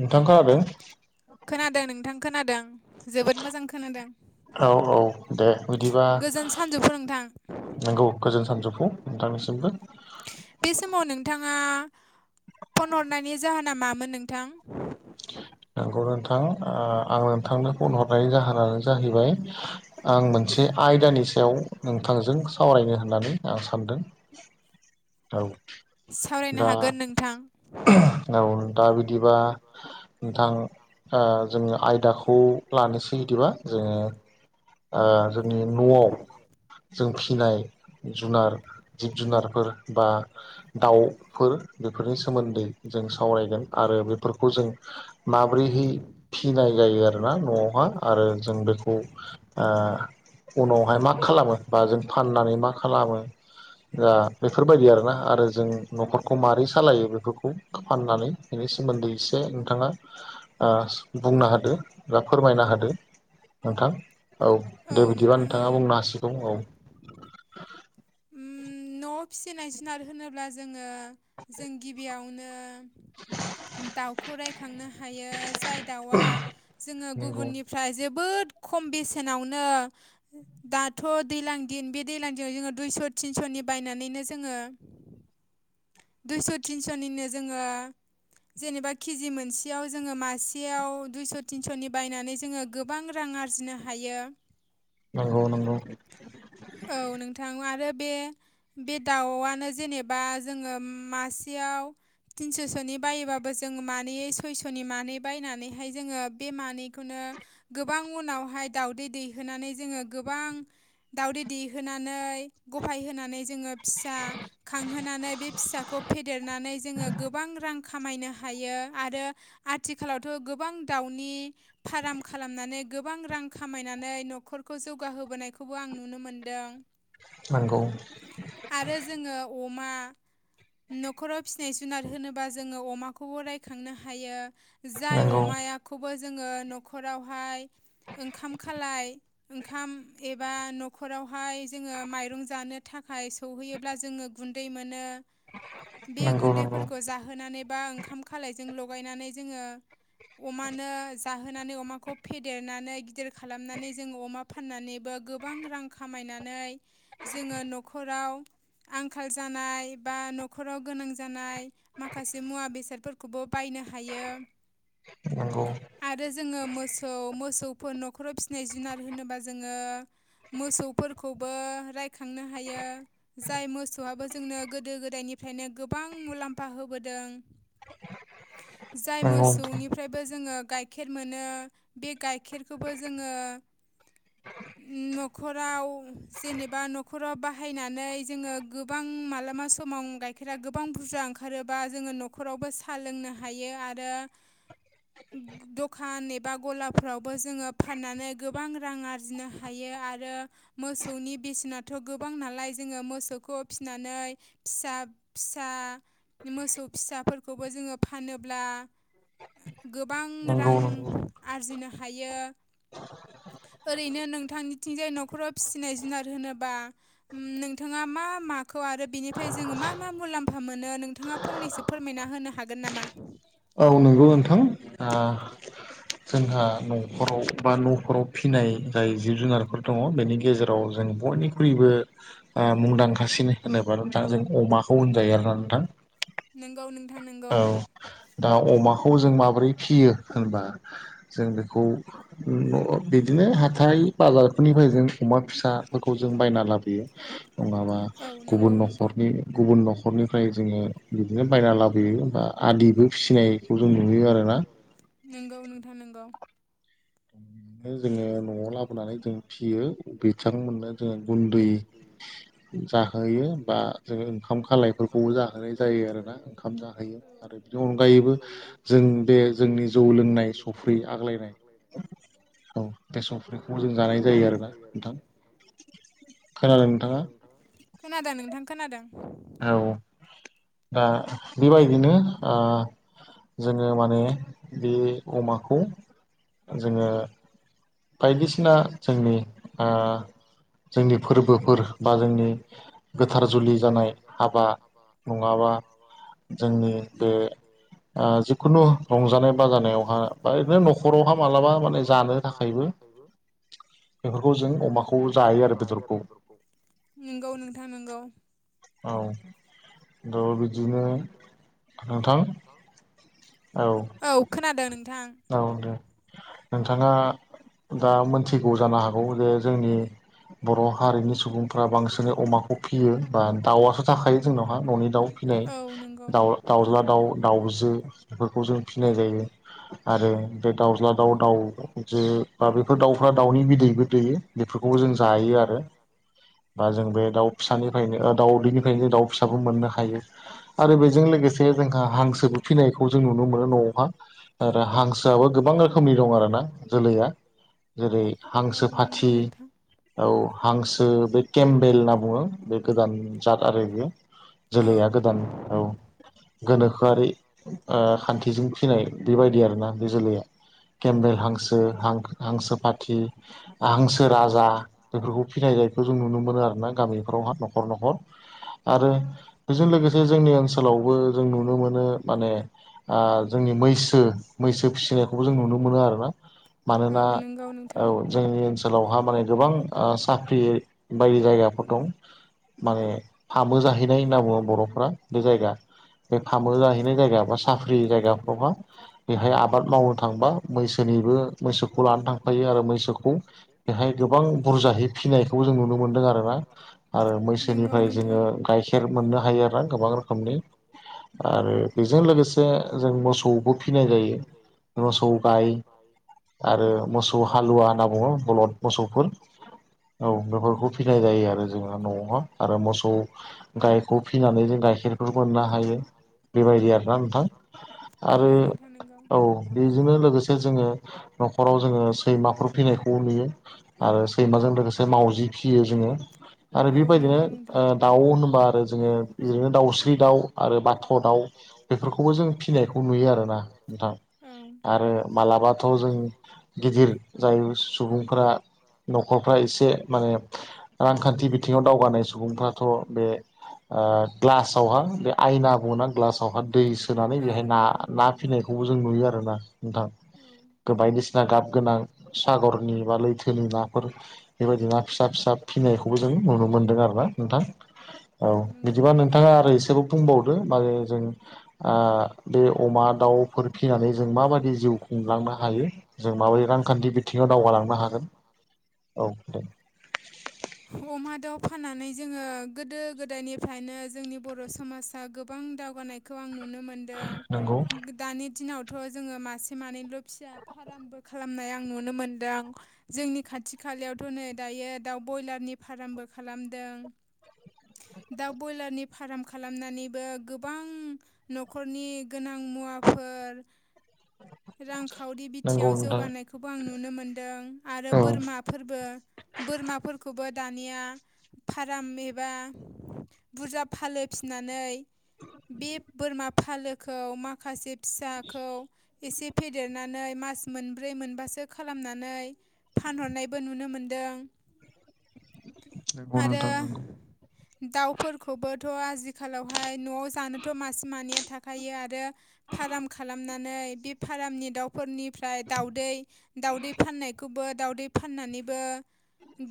नोंथां खोनादों खोनादों नोंथां खोनादों जोबोद मोजां खोनादों औ औ गोजोन सानजौफु नोंथां नंगौ गोजोन सानजौफु नोंथांनिसिमबो बे समाव नोंथाङा फन हरनायनि जाहोना मामोन नोंथां नंगौ नोंथां ओ आं नोंथांनो फन हरनायनि जाहोनानो जाहैबाय आं मोनसे आयदानि सायाव नोंथांजों सावरायनो होननानै आं सानदों सावरायनो हागोन नोंथां औ दा बिदिबा नोंथां ओ जोङो आयदाखौ लानोसै बिदिबा जोङो ओ जोंनि न'आव जों फिनाय जुनार जिब जुनारफोर बा दाउफोर बेफोरनि सोमोन्दै जों सावरायगोन आरो बेफोरखौ जों माब्रै हाय फिनाय जायो आरो आरोना न'आवहा आरो जों बेखौ उनावहाय मा खालामो बा जों फाननानै मा खालामो दा बेफोरबायदि आरोना आरो जों न'खरखौ माबोरै सालायो बेफोरखौ फाननानै बेनि सोमोन्दै एसे नोंथाङा बुंना होदो बा फोरमायना होदो नोंथां औ दे बिदिबा नोंथाङा बुंनो हासिगौ औ न'आव फिसिनाय जुनार होनोब्ला जोङो जों गिबियावनो दाउखौ रायखांनो हायो जाय दाउआ जोङो गुबुननि ओमफ्राय जोबोद खम बेसेनावनो दाथ' दैज्लां दिन बे दैज्लां दिनाव जोङो दुइस' थिनस'नि बायनानैनो जोङो दुइस' थिनस'निनो जोङो जेनेबा केजि मोनसेयाव जोङो मासेयाव दुइस' थिनस'नि बायनानै जोङो गोबां रां आरजिनो हायो नंगौ नंगौ औ नोंथां आरो बे बे दाउआनो जेनेबा जोङो मासेयाव तिनस'सो'नि बायोबाबो जों मानै सयस'नि मानै बायनानैहाय जोङो बे मानैखौनो गोबां उनावहाय दावउदै दैहोनानै जोङो गोबां दाउदै दैेहानै गफाय होनानै जोङो फिसा खांहोनानै बे फिसाखौ फेदेरनानै जोङो गोबां रां खामायनो हायो आरो आथिखालावथ' गोबां दाउनि फार्म खालामनानै गोबां रां खामायनानै न'खरखौ जौगाहोबोनायखौ बो आं नुनो मोनदों नंगौ आरो जोङो अमा न'खराव फिनाय जुनाद होनोबा जोङो अमाखौबो रायखांनो हायो। जाय अमाखौबो जोङो न'खरावहाय ओंखाम खालाय ओंखाम एबा न'खरावहाय जोङो माइरं जानो थाखाय सौहैयोब्ला जोङो गुन्दै मोनो। बे गुन्दैफोरखौ जाहोनानै बा ओंखाम खालायजों लगायनानै जोङो अमानो जाहोनानै अमाखौ फेदेरनानै गिदिर खालामनानै जोङो अमा फाननानैबो गोबां रां खामायनानै जोङो न'खराव आंखाल जानाय बा न'खराव गोनां जानाय। माखासे मुवा बेसादफोरखौबो बायनो हायो। नंगौ। आरो जोङो मोसौ मोसौफोर न'खराव फिसिनाय जुनार होनोबा जोङो मोसौफोरखौबो रायखांनो हायो। जाय मोसौआबो जोंनो गोदो गोदायनिफ्रायनो गोबां मुलाम्फा होबोदों। जाय मोसौनि फ्रायबो जोङो गाइखेर मोनो बे गाइखेरखौबो जोङो न'खराव जेनेबा न' खराव बाहायनानै जोङो गोबां मालाबा समाव गाइखेरा गोबां बुरजा ओंखारोबा जोङो न' खरावबो साहा लोंनो हायो। आरो [unintelligible] [inaudible] द'खान एबा गलाफ्रावबो जोङो फाननानै गोबां रां आरजिनो हायो। आरो मोसौनि बेसेना थ' गोबां नालाय जोङो मोसौखौ फिसिनानै फिसा-फिसा मोसौ फिसाफोरखौबो जोङो फानोब्ला गोबां रां आरजिनो हायो। ओरैनो नोंथांनिथिंजाय न'खराव फिसिनाय जुनार होनोबा नोंथाङा मा माखौ आरो बिनिफ्राय जोङो मा-मा मुलाम्फा मोनो नोंथाङा फंनैसो फोरमायना होनो हागोन नामा? औ नंगौ नोंथां ओ जोंहा न'खराव बा न'फोराव फिनाय जाय जिब जुनारफोर दङ बेनि गेजेराव जों बयनिख्रुइबो ओ मुंदांखा सिन होनोब्ला नोंथां जों अमाखौ होनजायो आरोना नोंथां। नोंगौ नोथां। औ दा अमाखौ जों माबोरै फियो होनबा। जों बेखौ न' बिदिनो हाथाइ बाजारफोरनिफ्राय जों अमा फिसाफोरखौ जों बायना लाबोयो। नङाबा गुबुन न'खरनि गुबुन न'खरनिफ्राय जोङो बिदिनो बायना बायना लाबोयो बा आदिबो फिसिनायखौ' जों नुयो आरोना नोंगौ नोंथां नोंगौ। बेखौ जोङो न'आव लाबोनानै जों फियो बिथांमोननो जोङो गुन्दै जाहोयो बा जोङो ओंखाम खालायफोरखौबो जाहोनाय जायो आरोना ओंखाम जाहोयो। आरो बिनि अनगायैबो जों बे जोंनि जौ लोंनाय संख्रै आग्लायनाय औ बे संख्रैखौ जों मुलि जानाय जायो आरोखि खोनादों नोंथां? खोनादों नोंथां खोनादों। औ। ओ बेबायदिनो ओ जोङो माने बे अमाखौ जोङो बायदिसिना जोंनि ओ जोंनि फोरबोफोर बा जोंनि गोथार जुलि जानाय हाबा नङाबा जोंनि बे ओ जिखुनु रंजानाय बाजानायावहा बा ओरैनो न'खरावहा मालाबा माने जानो थाखायबो [unintelligible] [inaudible] बेफोरखौ जों अमाखौबो जायो आरो बेदरखौ। नोंगौ नोंथां नोंगौ। औ त' बिदिनो नोंथां। औ। औ खोनादों नोंथां। औ दे नोंथाङा दा मोनथिगौ जानो हागौ जे जोंनि बर' हारिनि सुबुंफ्रा बांसिनै अमाखौ फियो बा दाउ आथ' थाखायो जोंनावहा न'नि दाउ। फिनाय दाउ दाउज्ला दाउ दाउजो बेफोरखौ जों फिसिनाय जायो। आरो जेरै दाउज्ला दाउ दाउ जो बा बेफोर दाउफ्रा दाउनि बिदैबो दैयो बेफोरखौबो जों जायो आरो। ओ जों बे दाउ फिसानिफ्रायनो दाउ दैनिफ्रायनो दाउ फिसाबो मोननो हायो। आरो बेजों लोगोसे जोंहा हांसोबो फिनायखौ जों नुनो मोनो न'आवहा आरो हांसोआबो गोबां रोखोमनि दं आरो ना जोलैया जेरै हांसो फाथि औ हांसो बे केमबेल होनना बुङो बे गोदान जाद आरो बियो। जोलैया गोदान। औ गोनोखोआरि ओ खान्थिजों फिनाय बेबायदि आरो ना बे जोलैया। केमबेल हांसो हां हांसो फाथि हांसो राजा बेफोरखौ फिनाय जायखौ जों नुनो मोनो आरो ना गामिफ्रावहा न'खर न'खर आरो बेजों लोगो से जोंनि ओनसोलावबो जों नुनो मोनो माने ओ जोंनि मैसो मैसो फिसिनायखौबो जों नुनो मोनो आरोना मानोना औ जोंनि ओनसोल लावहा माने गोबां ओ साख्रि बायदि जायगाफोर दं माने फामु जाहैनाय होनना बुङो बर'फ्रा बे जायगा। बे फामु जाहैनाय जायगा बा सााख्रि जायगाफ्रावहा बेहाय आबाद मावनो थांबा मैसोनिबो मैसोखौ लानो थांफायो आरो मैसोखौ। बेहाय गोबां बुरजाहै फिनायखौबो जों नुनो मोन्दों आरो ना आरो मैसोनिफ्राय जोङो गायखेर खेर मोननो हायो आरो गोबां रोखोमनि आरो बेजों लोगोसे जों मोसौबो जायो मोसौ गाय आरो मोसौ हालुवा होनना बुङो बलद मोसौफोर। औ बेफोरखौ फिनाय जायो आरो जोङो न'आवहा आरो मोसौ गाय खौ फिसिनानै जों गाइखेरफोर मोननो हायो बेबायदि बेबायदि आरोना नोंथां नंगौ नोंथां नोंगौ। औ बेजोंनो लोगोसे जोङो न'खराव जोङो सैमाफोर फिनायखौ नुयो। आरो सैमाजों लोगोसे मावजि फियो जोङो। आरो बेबायदिनो ओ दाउ होनोबा आरो जोङो बिदिनो दाउस्रि दाउ आरो बाथ' दाउ बेफोरखौबो जों फिनायखौ नुयो आरोना नोंथां। आरो मालाबाथ' जों गिदिर जायो सुबुंफोरा न'खरफ्रा एसे माने रांखान्थि बिथिङाव दावगानाय सुबुंफ्राथ' बे ओ ग्लासावहा बे आयना बुङोना ग्लासावहा दै सोनानै बेहाय ना ना फिनायखौबो जों नुयो आरोना नोंथां। बायदिसिना गाब गोनां सागरनि बा लैथोनि नाफोर बेबायदि ना फिसा फिसा फिनायखौबो जों नुनो मोनदों आरोना नोंथां औ। बिदिबा नोंथाङा आरो एसेबाव बुंबावदो माने जों ओ बे अ अमा-दाउफोर फिनानै जों माबायदि जिउ खुंलांनो हायो, जों माबायदि रांखान्थि बिथिङाव दावगालांनो हागोन। औ दे। अमा-दाउ फाननानै जोङो गोदो गोदायनिफ्रायनो जोंनि बर' समाजा गोबां दावगानाय खौ आं नुनो मोन मोनदों। दानि दिनावथ' जोङो मासे मानैल' फिसा फार्मबो खालाम खालामनाय आं नुनो मोनदों। जोंनि खाथि खालायावथ' नै दायो दाउ ब्रयलारनि फार्मबो खालामदों। दाउ ब्रयलारनि फार्म खालामनानैबो गोबां न'खरनि गोनां मुवाफोर रांखावरि बिथियाव जौगानायखौबो आं नुनो मोनदों। आरो बोरमा फोरबो बोरमा फोरखौबो दानिया फार्म एबा बुरजा फालो फिसिनानै बे बोरमा फालोखौ माखासे फिसाखौ एसे फेदेरनानै मास-मोनब्रै मोनबासो खालामनानै फानहरनायबो नुनो मोनदों। आरो दाउफोरखौबोथ' आजिखालावहाय न'आव जानोथ' मासे-मानैया थाखायो आरो फार्म खालामनानै बे फारामनि दाउफोरनिफ्राय दाउदै-दाउदै फाननायखौबो दाउदै फाननानैबो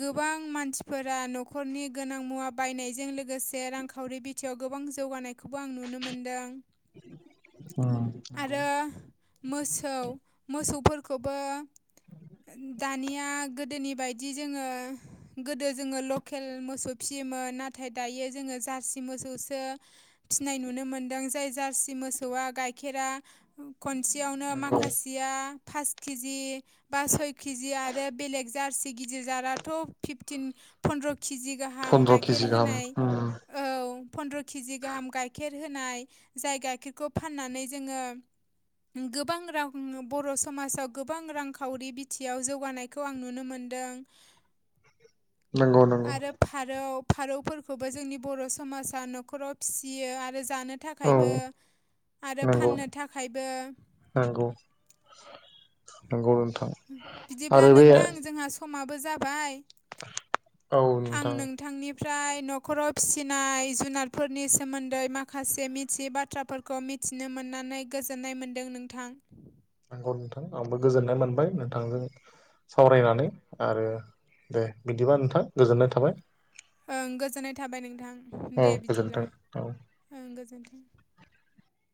गोबां मानसिफोरा न'खरनि गोनां मुवा बायनायजों लोगोसे रांखावरि बि खाथियाव गोबां जौगानायखौबो आं नुनो मोनदों। आरो मोसौ-मोसौफोरखौबो दानिया गोदोनि बायदि जोङो गोदो जोङो लकेल मोसौ फिसियोमोन। नाथाय दायो जोङो जारसि मोसौसो फिसिनाय नुनो मोनदों जाय जारसि मोसौआ गाइखेरा ख खनसेयावनो माखासेया पास केजि बा सय केजि आरो बेलेग जारसि गिदिर जाराथ' फिफ्टिन, फन्द्र केजि गाहाम गाइखेर होनाय फन्द्र' केजि गाहाम गाइखेर होनाय जाय, गाइखेरखौ फाननानै जोङो गोबां रां बर' समाजाव गोबां रांखावरि बिथिाव जौगानायखौ आं नुनो मोनदों। नंगौ नंगौ। फारौ फारौफोरखौबो जोंनि बर' समाजा न'खराव फिसियो आरो जानो थाखायबो आरो फाननो थाखायबो नौ नंगौ नोंथां आरो बे समाबो जाबाय औ नोंथां नोंथांनिफ्राय न'खराव फिसिनाय जुनारफोरनि सोमोन्दै माखासे मिथियै बाथ्राफोर- खौ मिथिनो मोननानै गोजोननाय मोन्दों नोंथां नंगौ नोंथां आंबो गोजोननाय मोनबाय नोंथांजों सावरायनानै आरो दे बिदिबा नोंथां गोजोननाय थाबाय ओं गोजोननाय थाबाय नोंथां दे बिदिब्ला ओं गोजोन्थों